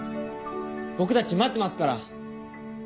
僕たち待ってますから。